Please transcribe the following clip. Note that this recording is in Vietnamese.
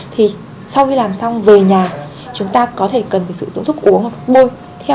thì sau khi làm xong về nhà chúng ta có thể cần phải sử dụng thuốc uống hoặc bôi